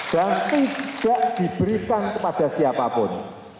dan tidak diberikan kepada siapapun